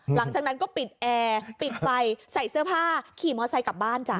หลังจากนั้นก็ปิดแอร์ปิดไฟใส่เสื้อผ้าขี่มอไซค์กลับบ้านจ้ะ